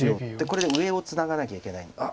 これで上をツナがなきゃいけない。